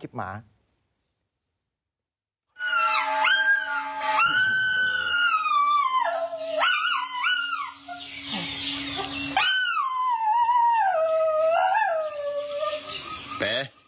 คลิปกันฮะ